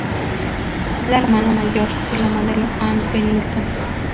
Es la hermana mayor de la modelo Ann Pennington.